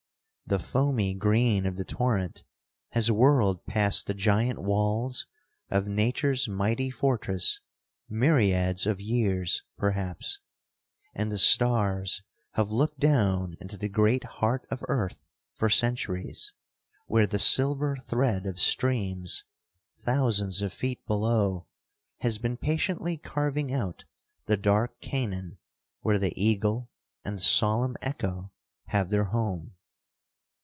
The foamy green of the torrent has whirled past the giant walls of nature's mighty fortress myriads of years, perhaps, and the stars have looked down into the great heart of earth for centuries, where the silver thread of streams, thousands of feet below, has been patiently carving out the dark canon where the eagle and the solemn echo have their home.